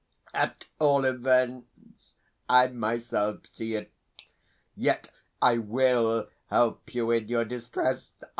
At all events, I myself see it. Yet I WILL help you in your distress.